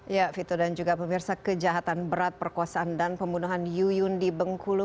ya vito dan juga pemirsa kejahatan berat perkosaan dan pembunuhan yuyun di bengkulu